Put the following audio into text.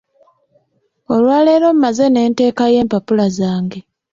Olwa leero mmaze ne nteekayo empapula zange.